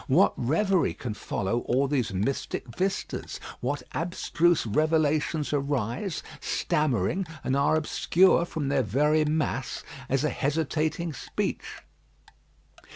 What reverie can follow all these mystic vistas? What abstruse revelations arise, stammering, and are obscure from their very mass, as a hesitating speech.